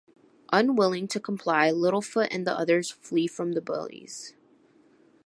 Unwilling to comply, Littlefoot and the others flee from the bullies.